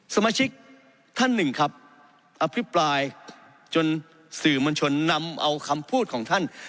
สมาชิกท่านหนึ่งครับอภิปรายจนสื่อมวลชนนำเอาคำพูดของท่าน